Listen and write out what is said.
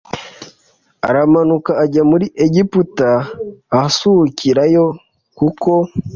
aramanuka ajya muri Egiputa asuhukirayo kuko